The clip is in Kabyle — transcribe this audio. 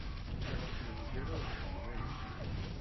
La tettnemgaled ed yiman-nnek.